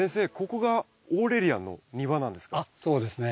ここがオーレリアンの庭なんですか？